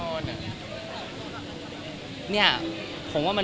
ครับครับครับครับครับครับครับครับครับครับครับ